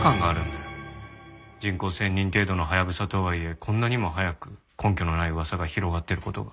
人口１０００人程度のハヤブサとはいえこんなにも早く根拠のない噂が広がってる事が。